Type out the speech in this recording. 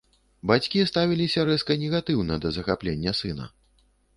Бацькі ставіліся рэзка негатыўна да захаплення сына.